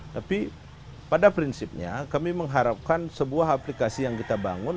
tapi pada prinsipnya kami mengharapkan sebuah aplikasi yang kita bangun